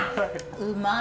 うまい！